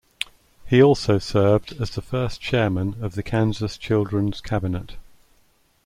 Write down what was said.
He also served as the first chairman of the Kansas Children's Cabinet.